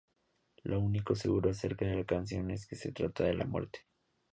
Lo único seguro acerca de la canción, es que se trata de la muerte.